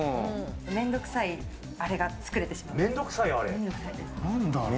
面倒くさいあれが作れてしまう。